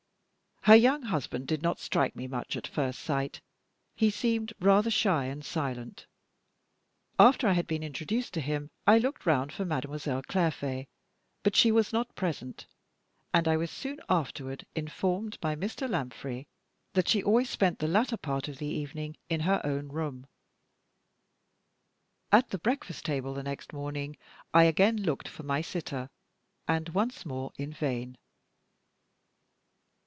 Her young husband did not strike me much at first sight; he seemed rather shy and silent. After I had been introduced to him, I looked round for Mademoiselle Clairfait, but she was not present; and I was soon afterward informed by Mr. Lanfray that she always spent the latter part of the evening in her own room. At the breakfast table the next morning, I again looked for my sitter, and once more in vain.